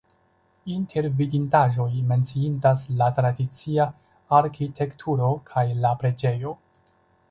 Inter vidindaĵoj menciindas la tradicia arkitekturo kaj la preĝejo.